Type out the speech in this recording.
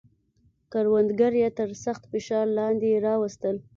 کروندګر یې تر سخت فشار لاندې راوستل.